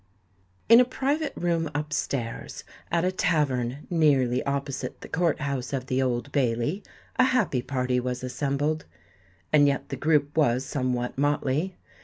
In a private room up stairs, at a tavern nearly opposite the Court house of the Old Bailey, a happy party was assembled. And yet the group was somewhat motley.